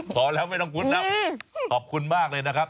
พอแล้วไม่ต้องพูดแล้วขอบคุณมากเลยนะครับ